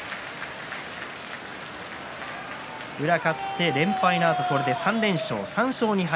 宇良、勝って連敗のあと３連勝３勝２敗。